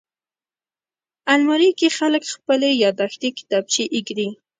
الماري کې خلک خپلې یاداښتې کتابچې ایږدي